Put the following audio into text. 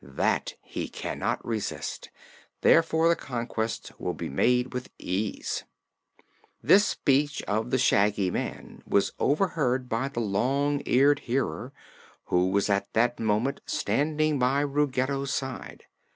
That he cannot resist; therefore the conquest will be made with ease." This speech of Shaggy Man's was overheard by the Long Eared Hearer, who was at that moment standing by Ruggedo's side.